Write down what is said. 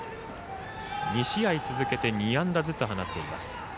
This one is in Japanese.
２試合続けて２安打ずつ放っています。